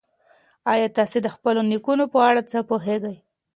ایا تاسي د خپلو نیکونو په اړه څه پوهېږئ؟